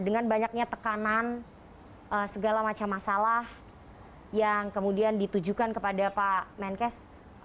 dengan banyaknya tekanan segala macam masalah yang kemudian ditujukan kepada pak menkes